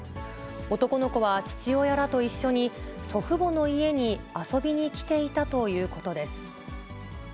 男の子は父親らと一緒に、祖父母の家に遊びに来ていたということです。